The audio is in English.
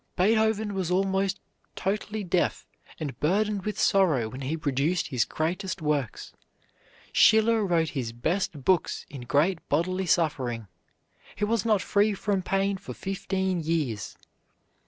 Beethoven was almost totally deaf and burdened with sorrow when he produced his greatest works. Schiller wrote his best books in great bodily suffering. He was not free from pain for fifteen years.